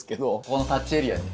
ここのタッチエリアに。